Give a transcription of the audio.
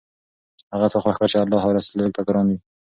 هغه څه خوښ کړه چې الله او رسول ته ګران وي.